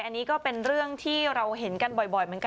อันนี้ก็เป็นเรื่องที่เราเห็นกันบ่อย